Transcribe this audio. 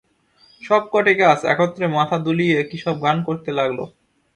সব কটি গাছ একত্রে মাথা দুলিয়ে কীসব গান করতে লাগল।